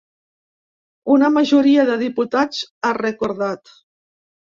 Una majoria de diputats, ha recordat.